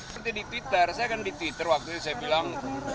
seperti di twitter saya kan di twitter waktu itu saya bilang